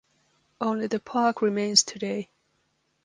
Only the park remains today.